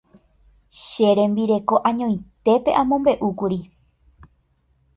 Che rembireko añoitépe amombe'úkuri.